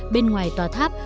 bên ngoài tòa tháp